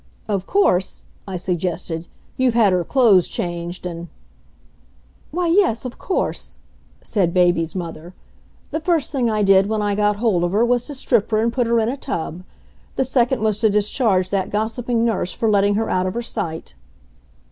"Of course," I suggested, "you've had her clothes changed and " "Why, yes, of course," said baby's mother. "The first thing I did when I got hold of her was to strip her and put her in a tub; the second, was to discharge that gossiping nurse for letting her out of her sight."